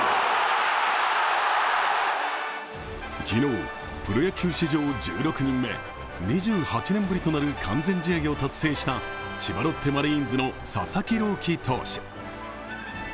昨日、プロ野球史上１６人目、２８年ぶりとなる完全試合を達成した千葉ロッテマリーンズの佐々木朗希投手。